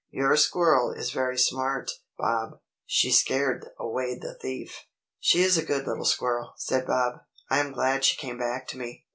Your squirrel is very smart, Bob. She scared away the thief." "She is a good little squirrel," said Bob. "I am glad she came back to me."